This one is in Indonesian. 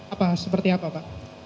apa seperti apa pak